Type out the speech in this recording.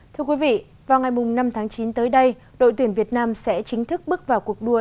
thưa quý vị vào ngày năm tháng chín tới đây đội tuyển việt nam sẽ chính thức bước vào cuộc đua